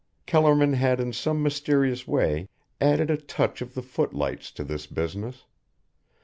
Kellerman had in some mysterious way added a touch of the footlights to this business.